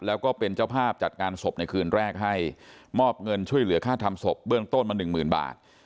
แล้วก็เป็นเจ้าภาพจัดงานศพในคืนแรกให้มอบเงินช่วยเหลือค่าทำศพเบื้องต้นมาหนึ่งหมื่นบาท